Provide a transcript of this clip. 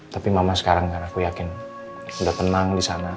tapi mama sekarang kan aku yakin udah tenang di sana